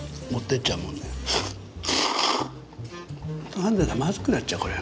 かんだらまずくなっちゃうこれは。